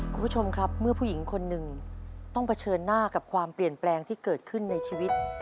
คุณผู้ชมครับเมื่อผู้หญิงคนหนึ่งต้องเผชิญหน้ากับความเปลี่ยนแปลงที่เกิดขึ้นในชีวิต